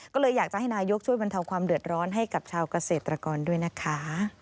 ก็เลยอยากจะให้นายกช่วยบรรเทาความเดือดร้อนให้กับชาวเกษตรกรด้วยนะคะ